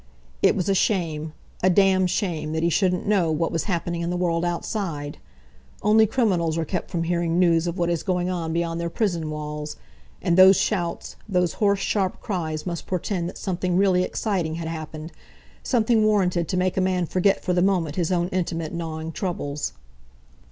It was a shame—a damned shame—that he shouldn't know what was happening in the world outside! Only criminals are kept from hearing news of what is going on beyond their prison walls. And those shouts, those hoarse, sharp cries must portend that something really exciting had happened, something warranted to make a man forget for the moment his own intimate, gnawing troubles.